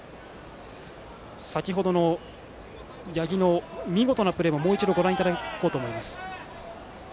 先程の八木の見事なプレーをもう一度ご覧いただきます。